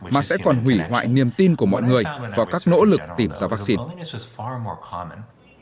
mà sẽ còn hủy hoại niềm tin của mọi người vào các nỗ lực tìm ra vaccine